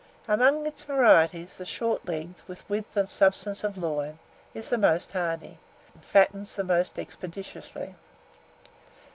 Among its varieties, the short legged, with width and substance of loin, is the most hardy, and fattens the most expeditiously.